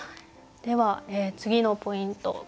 では次のポイント